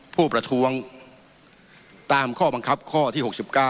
ผู้ประท้วงตามข้อบังคับข้อที่๖๙